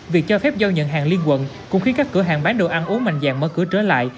việc cho phép giao nhận hàng liên quận cũng khiến các cửa hàng bán đồ ăn uống mạnh dạng mở cửa trở lại